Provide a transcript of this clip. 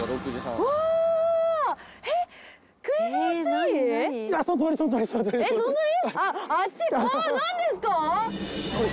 うわ何ですか？